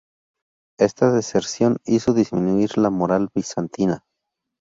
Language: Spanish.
Esta deserción hizo disminuir la moral bizantina.